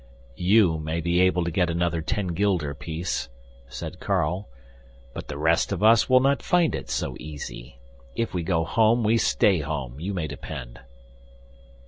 "YOU may be able to get another ten guilder piece," said Carl, "but the rest of us will not find it so easy. If we go home, we stay home, you may depend."